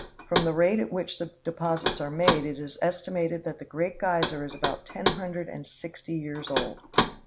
From the rate at which the deposits are made, it is estimated that the Great Geyser is about ten hundred and sixty years old.